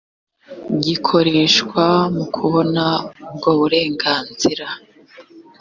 gikoreshwa mu kubona ubwo burenganzira